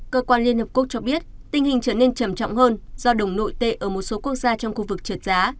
cơ quan liên hợp quốc cho biết tình hình trở nên trầm trọng hơn do đồng nội tệ ở một số quốc gia trong khu vực trượt giá